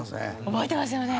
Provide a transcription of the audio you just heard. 覚えてますよね。